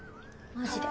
マジで。